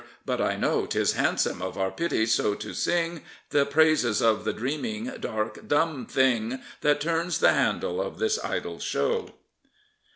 But I know 'Tis handsome of our Pities so to sing The praises of the dreaming, dark, dumb Thing That turns the handle of this idle Show.